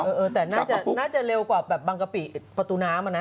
เออแต่น่าจะเร็วกว่าแบบบางกะปิประตูน้ำอะนะ